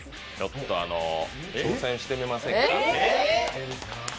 挑戦してみませんか？